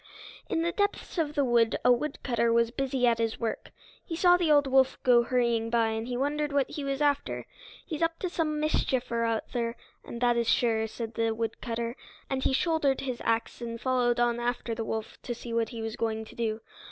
In the depths of the wood a woodcutter was busy at his work. He saw the old wolf go hurrying by, and he wondered what he was after. "He's up to some mischief or other, and that is sure," said the woodcutter. And he shouldered his axe and followed on after the wolf to see what he was going to do.